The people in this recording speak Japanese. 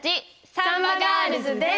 サンバガールズです！